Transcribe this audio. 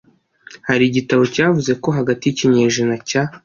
hari igitabo cyavuze ko hagati y ikinyejana cya